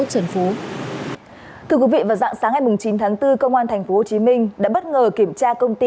thưa quý vị vào dạng sáng ngày chín tháng bốn công an tp hcm đã bất ngờ kiểm tra công ty